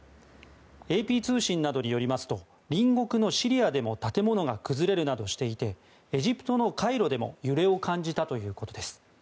ＡＰ通信などによりますと隣国のシリアでも建物が崩れるなどしていてエジプトのカイロでも揺れを感じたということです。